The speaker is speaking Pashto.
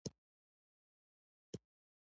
د مصریانو ښه پیژندنه د هرمونو په وسیله کیږي.